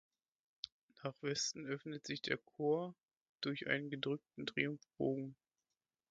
Nach Westen öffnet sich der Chor durch einen gedrückten Triumphbogen.